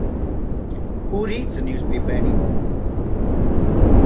Who reads the newspaper anymore?